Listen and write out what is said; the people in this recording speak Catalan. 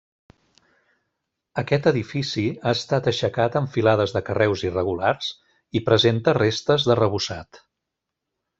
Aquest edifici ha estat aixecat amb filades de carreus irregulars i presenta restes d'arrebossat.